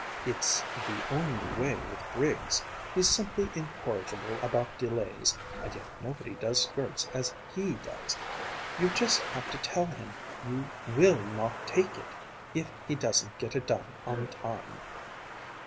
it's the only way with Briggs he's simply incorrigible about delays and yet nobody does skirts as he does! You just have to tell him you will not take it, if he doesn't get it done on time!"